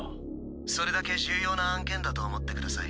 それだけ重要な案件だと思ってください。